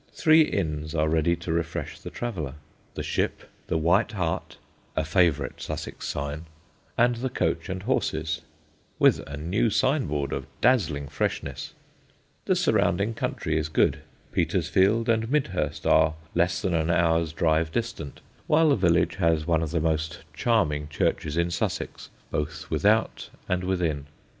Three inns are ready to refresh the traveller the Ship, the White Hart (a favourite Sussex sign), and the Coach and Horses (with a new signboard of dazzling freshness); the surrounding country is good; Petersfield and Midhurst are less than an hour's drive distant; while the village has one of the most charming churches in Sussex, both without and within.